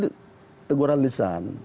itu tuguran lisan